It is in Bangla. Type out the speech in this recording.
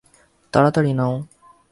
তাড়াতাড়ি নাও।